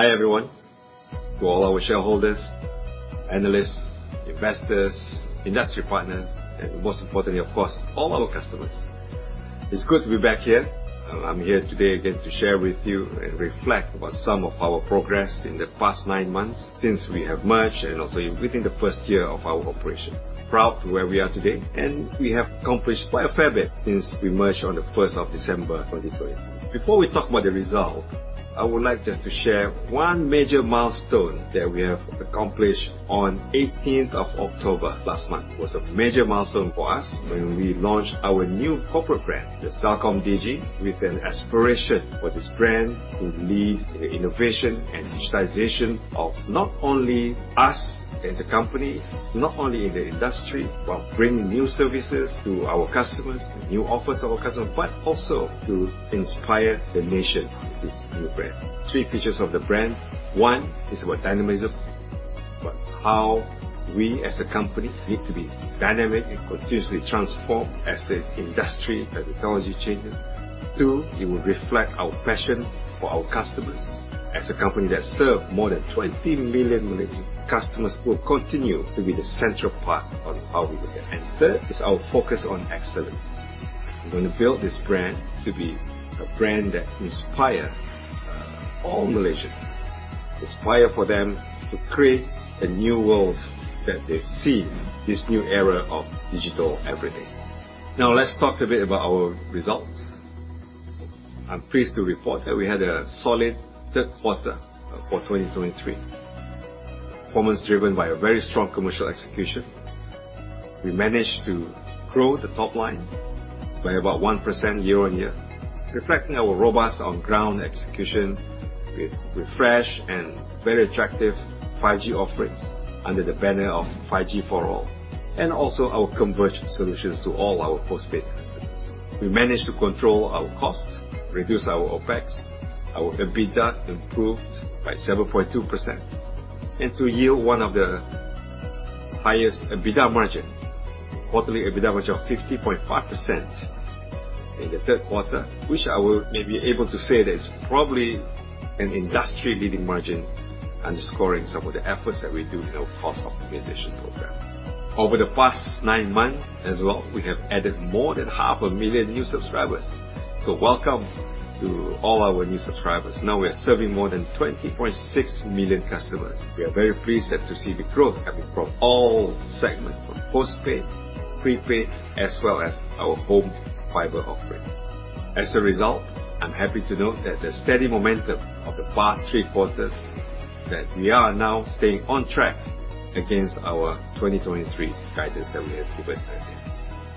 Hi, everyone. To all our shareholders, analysts, investors, industry partners, and most importantly, of course, all our customers. It's good to be back here. I'm here today again to share with you and reflect about some of our progress in the past nine months since we have merged, and also within the first year of our operation. Proud to where we are today, and we have accomplished quite a fair bit since we merged on the 1st of December 2020. Before we talk about the result, I would like just to share one major milestone that we have accomplished on the 18th of October last month. It was a major milestone for us when we launched our new corporate brand, CelcomDigi, with an aspiration for this brand to lead in the innovation and digitization of not only us as a company, not only in the industry, but bring new services to our customers, new offers to our customers, but also to inspire the nation with this new brand. Three features of the brand. One is about dynamism, about how we as a company need to be dynamic and continuously transform as the industry, as technology changes. Two, it will reflect our passion for our customers. As a company that serve more than 20 million Malaysian customers, we'll continue to be the central part of how we work. And third, is our focus on excellence. We're gonna build this brand to be a brand that inspire all Malaysians. Inspire for them to create a new world that they've seen, this new era of digital everything. Now, let's talk a bit about our results. I'm pleased to report that we had a solid third quarter for 2023. Performance driven by a very strong commercial execution. We managed to grow the top line by about 1% year-on-year, reflecting our robust on ground execution with fresh and very attractive 5G offerings under the banner of 5G For All, and also our converged solutions to all our postpaid customers. We managed to control our costs, reduce our OpEx. Our EBITDA improved by 7.2%, and to yield one of the highest EBITDA margin, quarterly EBITDA margin of 50.5% in the third quarter, which I will may be able to say that it's probably an industry-leading margin, underscoring some of the efforts that we do in our cost optimization program. Over the past nine months as well, we have added more than 500,000 new subscribers. So welcome to all our new subscribers. Now we are serving more than 20.6 million customers. We are very pleased that to see the growth coming from all segments, from postpaid, prepaid, as well as our home fiber offering. As a result, I'm happy to note that the steady momentum of the past three quarters, that we are now staying on track against our 2023 guidance that we had given earlier.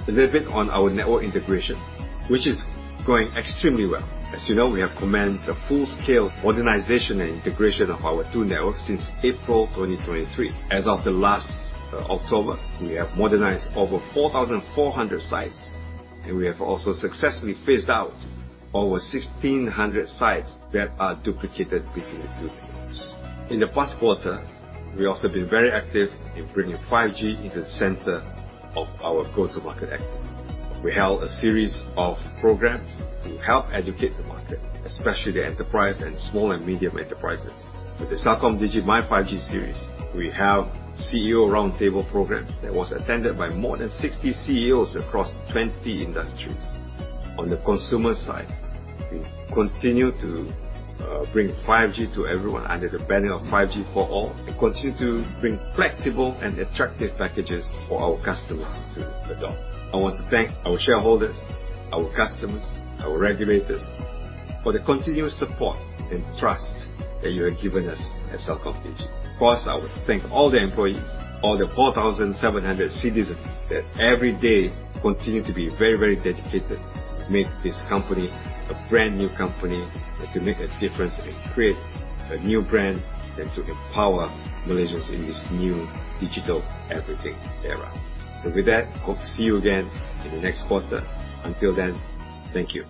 A little bit on our network integration, which is going extremely well. As you know, we have commenced a full-scale organization and integration of our two networks since April 2023. As of the last October, we have modernized over 4,400 sites, and we have also successfully phased out over 1,600 sites that are duplicated between the two networks. In the past quarter, we've also been very active in bringing 5G into the center of our go-to-market activity. We held a series of programs to help educate the market, especially the enterprise and small and medium enterprises. With the CelcomDigi MY5G Series, we have CEO roundtable programs that was attended by more than 60 CEOs across 20 industries. On the consumer side, we continue to bring 5G to everyone under the banner of 5G For All, and continue to bring flexible and attractive packages for our customers to adopt. I want to thank our shareholders, our customers, our regulators, for the continuous support and trust that you have given us at CelcomDigi. Of course, I would thank all the employees, all the 4,700 citizens, that every day continue to be very, very dedicated to make this company a brand-new company, and to make a difference, and create a new brand, and to empower Malaysians in this new digital everything era. So with that, I hope to see you again in the next quarter. Until then, thank you.